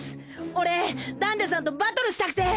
俺ダンデさんとバトルしたくて。